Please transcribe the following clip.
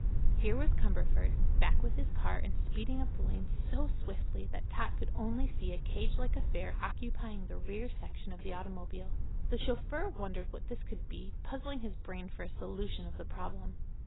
Here was Cumberford, back with his car and speeding up the lane so swiftly that Tot could only see a cage like affair occupying the rear section of the automobile. The chauffeur wondered what this could be, puzzling his brain for a solution of the problem.